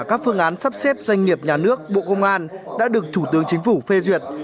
các phương án sắp xếp doanh nghiệp nhà nước bộ công an đã được thủ tướng chính phủ phê duyệt